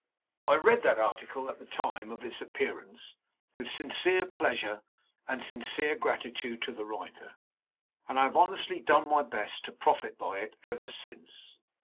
I read that article, at the time of its appearance, with sincere pleasure and sincere gratitude to the writer, and I have honestly done my best to profit by it ever since.